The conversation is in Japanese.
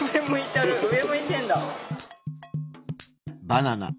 バナナ。